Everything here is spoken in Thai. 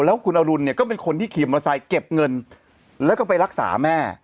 แล้วคุณอรุณเนี่ยก็เป็นคนที่ขี่มอเตอร์ไซค์เก็บเงินแล้วก็ไปรักษาแม่